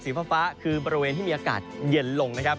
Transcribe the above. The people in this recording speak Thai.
ฟ้าคือบริเวณที่มีอากาศเย็นลงนะครับ